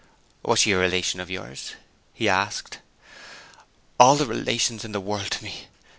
"Was she a relation of yours?" he asked. "All the relations in the world to me!"